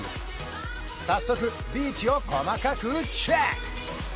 早速ビーチを細かくチェック！